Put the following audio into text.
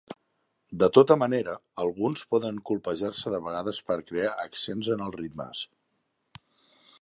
De tota manera, alguns poden colpejar-se de vegades per crear accents en els ritmes.